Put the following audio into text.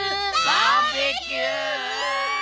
バーベキュー！